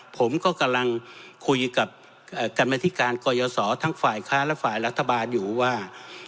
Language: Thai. ผมก็กำลังคุยกับกรรมธิการกรยศทั้งฝ่ายค้าและฝ่ายรัฐบาลอยู่ว่า